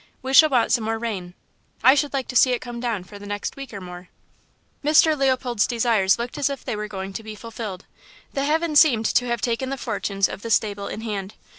We shall want some more rain. I should like to see it come down for the next week or more." Mr. Leopold's desires looked as if they were going to be fulfilled. The heavens seemed to have taken the fortunes of the stable in hand.